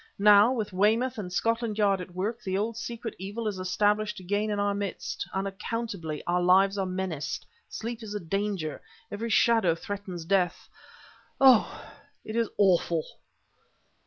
Now, with Weymouth and Scotland Yard at work, the old secret evil is established again in our midst, unaccountably our lives are menaced sleep is a danger every shadow threatens death... oh! it is awful."